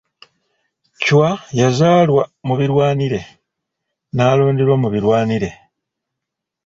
Chwa yazaalirwa mu birwanire, n'alonderwa mu birwanire.